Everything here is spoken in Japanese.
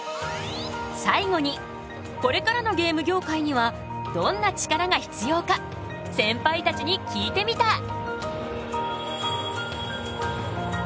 最後にこれからのゲーム業界にはどんなチカラが必要かセンパイたちに聞いてみた！